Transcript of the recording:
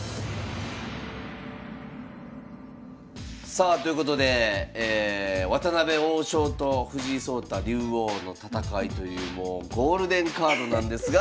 さあということで渡辺王将と藤井聡太竜王の戦いというもうゴールデンカードなんですが。